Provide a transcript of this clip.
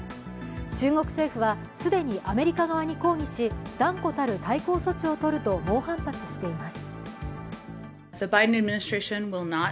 中国政府は既にアメリカ側に抗議し、断固たる対抗措置をとると猛反発しています。